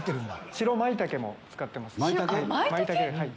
・白まいたけも使ってます・あっ